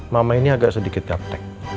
mama ini agak sedikit gaptek